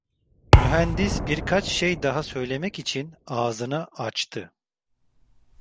Mühendis birkaç şey daha söylemek için ağzını açtı.